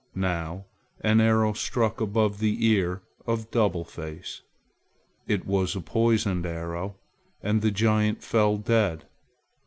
Now an arrow stuck above the ear of Double Face. It was a poisoned arrow, and the giant fell dead.